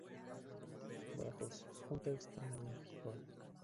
Badajoz: Junta de Extremadura, Col.